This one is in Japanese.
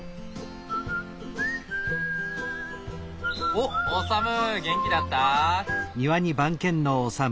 おっオサム元気だった？